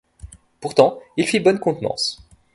Pourtant il fit bonne contenance.